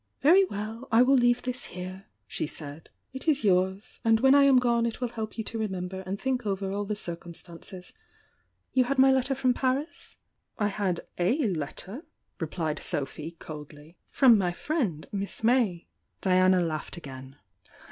"Very well, I will leave this here," she said. "It is yours, — and when I am gone it will help you to remember and think over all the circumstances. You had my letter from Paris?" "I had o letter," replied Sophy, coldly, "from my friend. Miss May." Diana laughed again.